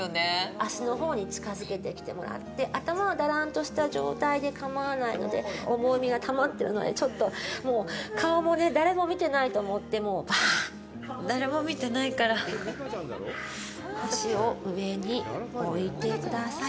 足のほうに近づけてきてもらって、頭をだらんとした状態で構わないので、重みがたまってるので顔もね、誰も見てないと思って足を上に置いてください。